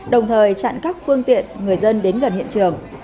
đồng thời chặn các phương tiện người dân đến gần hiện trường